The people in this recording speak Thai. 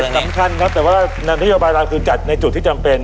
อินเตอร์เน็ตสำคัญครับแต่ว่านัยนโยบายราคือจัดในจุดที่จำเป็น